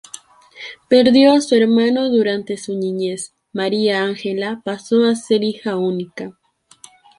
Perdió a su hermano durante su niñez, Maria Angela pasó a ser hija única.